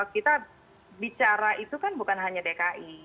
kita bicara itu kan bukan hanya dki